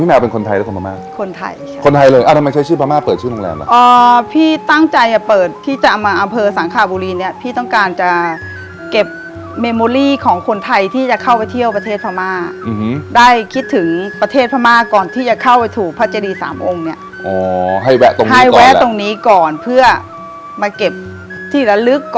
แมวเป็นคนไทยและคนพม่าคนไทยคนไทยเลยอ่าทำไมใช้ชื่อพม่าเปิดชื่อโรงแรมล่ะอ๋อพี่ตั้งใจจะเปิดที่จะเอามาอำเภอสังขบุรีเนี้ยพี่ต้องการจะเก็บเมมูลี่ของคนไทยที่จะเข้าไปเที่ยวประเทศพม่าอืมได้คิดถึงประเทศพม่าก่อนที่จะเข้าไปถูกพระเจดีสามองค์เนี้ยอ๋อให้แวะตรงนี้ให้แวะตรงนี้ก่อนเพื่อมาเก็บที่ระลึกก